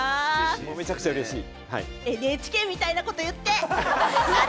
めちゃくちゃうれしい！